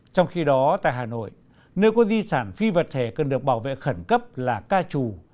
trong khi đó tại hà nội nơi có di sản phi vật thể cần được bảo vệ khẩn cấp là ca trù